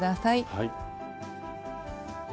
はい。